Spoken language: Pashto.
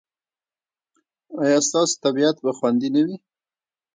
ایا ستاسو طبیعت به خوندي نه وي؟